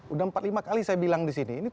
udah empat lima kali saya bilang disini